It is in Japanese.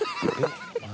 何？